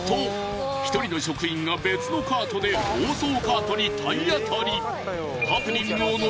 １人の職員が別のカートで暴走カートに体当たり。